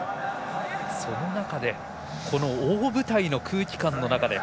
その中でこの大舞台の空気感の中で。